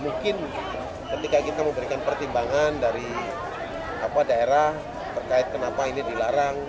mungkin ketika kita memberikan pertimbangan dari daerah terkait kenapa ini dilarang